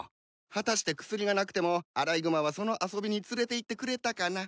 果たして薬がなくてもアライグマはその遊びに連れていってくれたかな？